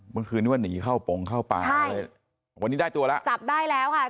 เมื่อคืนนี้ว่าหนีเข้าปงเข้าป่าเลยวันนี้ได้ตัวแล้วจับได้แล้วค่ะ